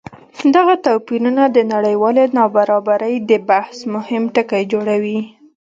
دغه توپیرونه د نړیوالې نابرابرۍ د بحث مهم ټکی جوړوي.